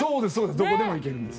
どこでも行けるんです。